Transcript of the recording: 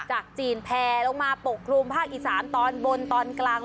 จากจีนแพลลงมาปกครุมภาคอีสานตอนบนตอนกลาง